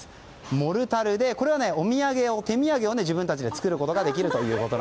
モルタルでお土産を自分たちで作ることができると。